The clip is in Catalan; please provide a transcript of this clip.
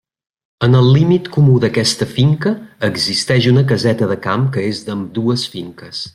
En el límit comú d'aquesta finca, existeix una caseta de camp que és d'ambdues finques.